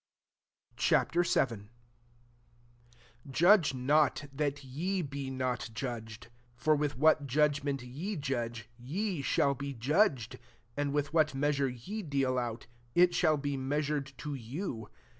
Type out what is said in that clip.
Ch. VII. 1 '<Judgcnotthatye be not judged. 2 For with what judgement ye judge, ye shall be judged; and with what mea sure ye deal out, it shall be measured to you.